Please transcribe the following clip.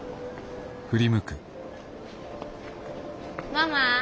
ママ。